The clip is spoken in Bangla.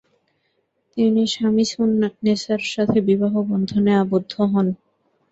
তিনি শামিসুন নেসা’র সাথে বিবাহ বন্ধনে আবদ্ধ হন।